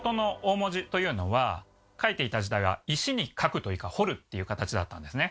書いていた時代は石に書くというか彫るっていう形だったんですね。